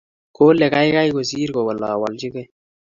kole keikei kosiir kowolowolchikei